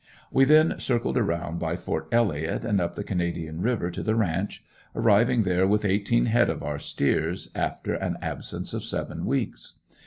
We then circled around by Ft. Elliott, and up the Canadian river to the ranch, arriving there with eighteen head of our steers, after an absence of seven weeks.